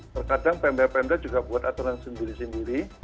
terkadang pmb pmb juga buat aturan sendiri sendiri